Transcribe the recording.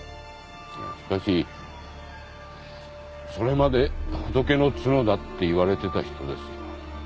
しかしそれまで「仏の角田」っていわれてた人ですよ。